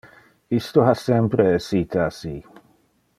Isto ha sempre essite assi.